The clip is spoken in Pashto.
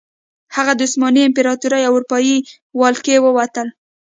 هغه د عثماني امپراتورۍ او اروپايي ولکې ووتل.